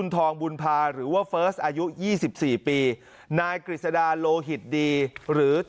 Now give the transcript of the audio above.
นทองบุญภาหรือว่าอายุยี่สิบสี่ปีนายกฤษฎาโลหิตดีหรือ